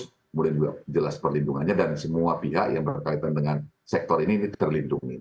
kemudian juga jelas perlindungannya dan semua pihak yang berkaitan dengan sektor ini terlindungi